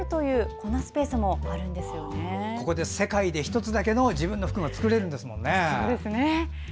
ここで世界で１つだけの自分の服が作れるんですもんね。